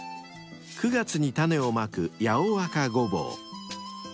［９月に種をまく八尾若ごぼう］